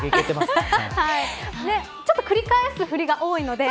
ちょっと繰り返す振りが多いので。